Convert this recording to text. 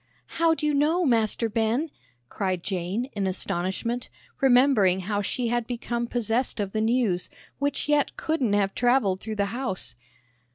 "How'd you know, Master Ben?" cried Jane, in astonishment, remembering how she had become possessed of the news which yet couldn't have travelled through the house.